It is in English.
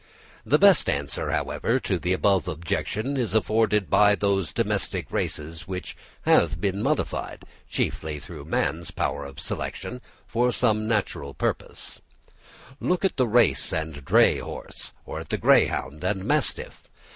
The best answer, however, to the above objection is afforded by those domestic races which have been modified, chiefly through man's power of selection, for some special purpose. Look at the race and dray horse, or at the greyhound and mastiff.